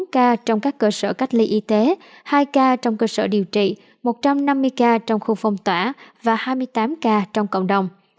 một mươi ca trong các cơ sở cách ly y tế hai ca trong cơ sở điều trị một trăm năm mươi ca trong khu phong tỏa và hai mươi tám ca trong cộng đồng